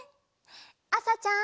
あさちゃん。